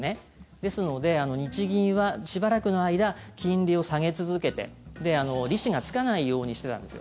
ですので日銀はしばらくの間金利を下げ続けて利子がつかないようにしてたんですよ。